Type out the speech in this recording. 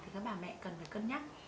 thì các bà mẹ cần phải cân nhắc